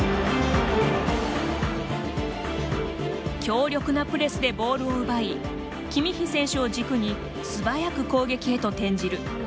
強力なプレスでボールを奪いキミッヒ選手を軸に素早く攻撃へと転じる。